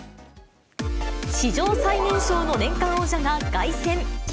史上最年少の年間王者が凱旋。